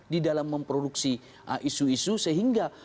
di dalam memproduksi isu isu sehingga